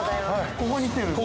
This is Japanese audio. ◆ここに来てるんですか。